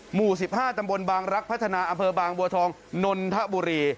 หมู่๑๕ตำบลบางรักพัฒนาอำเภอบางบัวทองนนทบุรี